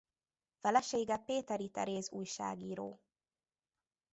Felesége Péteri Teréz újságíró.